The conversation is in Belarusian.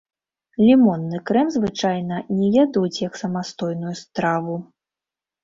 Лімонны крэм звычайна не ядуць як самастойную страву.